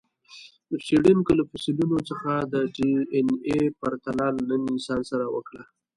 څېړونکو له فسیلونو څخه د ډياېناې پرتله له ننني انسان سره وکړه.